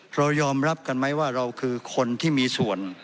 เรายอมรับกันไหมว่าเราคือคนที่มีส่วน